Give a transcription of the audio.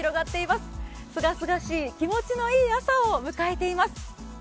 すがすがしい気持ちのいい朝を迎えています。